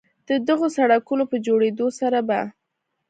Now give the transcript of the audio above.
د دغو سړکونو په جوړېدو سره به